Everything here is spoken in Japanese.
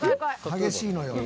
激しいのよ。